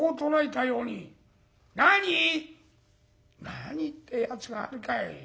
「何ってやつがあるかい。